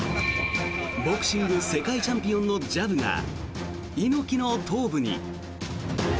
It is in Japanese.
ボクシング世界チャンピオンのジャブが猪木の頭部に。